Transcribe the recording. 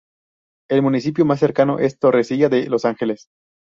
El municipio más cercano es Torrecilla de los Ángeles.